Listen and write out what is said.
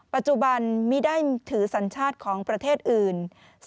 ปัจจุบันไม่ได้ถือสัญชาติของประเทศอื่น